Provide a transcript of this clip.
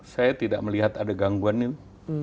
saya tidak melihat ada gangguan itu